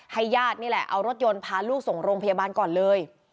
ญาตินี่แหละเอารถยนต์พาลูกส่งโรงพยาบาลก่อนเลย